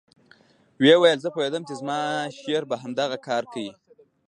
ويې ويل زه پوهېدم چې زما شېر به همدغه کار کيي.